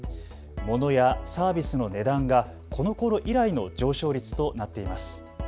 モノやサービスの値段がこのころ以来の上昇率となっています。